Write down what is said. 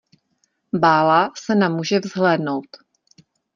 Bála se na muže vzhlédnout.